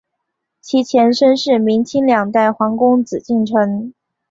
其前身是明清两代皇宫紫禁城。